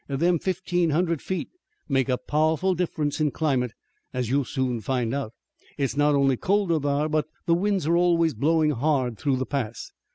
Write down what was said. Them fifteen hundred feet make a pow'ful difference in climate, as you'll soon find out. It's not only colder thar, but the winds are always blowin' hard through the pass.